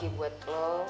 rezeki buat lo